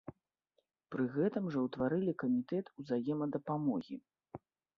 Пры гэтым жа ўтварылі камітэт узаемадапамогі.